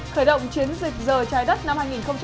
khởi động chiến dịch giờ trái đất năm hai nghìn một mươi tám